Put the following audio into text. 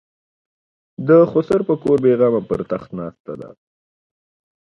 د خسر په کور بېغمه پر تخت ناسته ده.